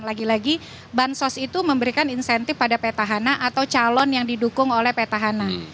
lagi lagi bansos itu memberikan insentif pada petahana atau calon yang didukung oleh petahana